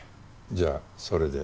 じゃあそれで。